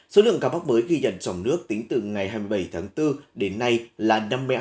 số lượng ca mắc mới ghi nhận trong nước tính từ ngày hai mươi bảy tháng bốn đến nay là năm mươi hai